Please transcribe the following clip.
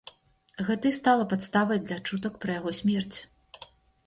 Гэта і стала падставай для чутак пра яго смерць.